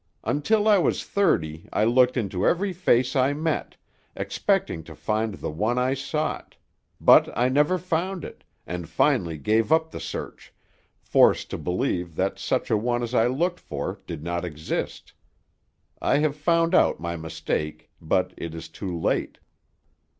Until I was thirty I looked into every face I met, expecting to find the one I sought; but I never found it, and finally gave up the search, forced to believe that such a one as I looked for did not exist. I have found out my mistake, but it is too late."